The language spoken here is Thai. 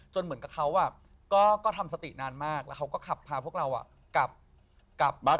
เหมือนกับเขาก็ทำสตินานมากแล้วเขาก็ขับพาพวกเรากลับบ้าน